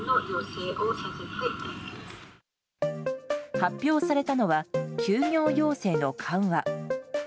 発表されたのは休業要請の緩和。